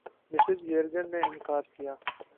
Mrs Jurgen نے اِنکار کِیا